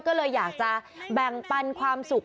ก็เลยอยากจะแบ่งปันความสุข